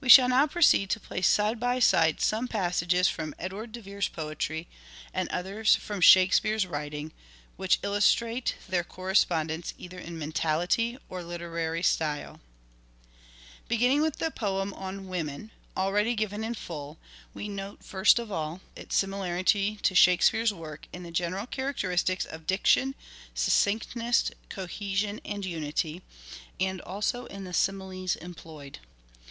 We shall now proceed to place side by side some passages from Edward de Vere's poetry and others from " Shakespeare's " writings which illustrate their correspondence either in mentality or literary style. LYRIC POETRY OF EDWARD DE VERE 173 Beginning with the poem on " Women " already Haggard given in full, we note first of all its similarity to hawk Shakespeare's work in the general characteristics of diction, succinctness, cohesion and unity ; and also in the similes employed.